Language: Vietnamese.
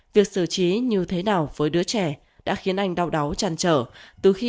việc xử trí như thế nào với đứa trẻ đã khiến anh đau đáu tràn trở từ khi